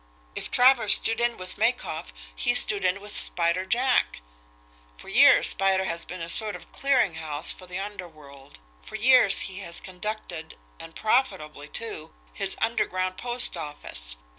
If Travers stood in with Makoff, he stood in with Spider Jack. For years Spider has been a sort of clearing house for the underworld for years he has conducted, and profitably, too, his underground post office.